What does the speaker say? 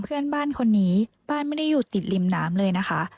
เพื่อนบ้านคนนี้บ้านไม่ได้อยู่ติดริมน้ำเลยนะคะ